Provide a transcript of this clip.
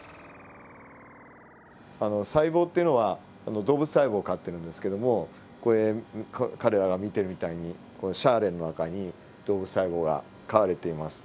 細胞っていうのは動物細胞を飼ってるんですけれどもこれ彼らが見てるみたいにシャーレの中に動物細胞が飼われています。